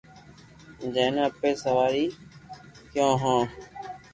جي ني اپي سواري ڪيو هون